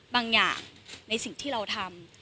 บางอย่างในสิ่งที่เราทำ